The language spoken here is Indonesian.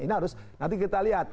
ini harus nanti kita lihat